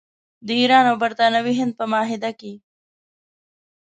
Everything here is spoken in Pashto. د ایران او برټانوي هند په معاهده کې.